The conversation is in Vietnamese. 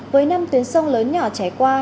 với năm tuyến sông lớn nhỏ trẻ qua